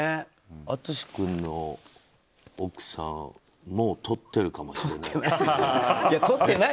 淳君の奥さんもとっているかもしれない。